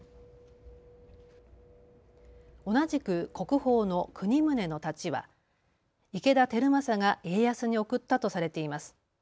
同じく国宝の国宗の太刀は池田輝政が家康に贈ったとされています。